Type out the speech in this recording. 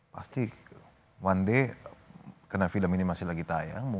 pasti one day karena film ini masih lagi tayang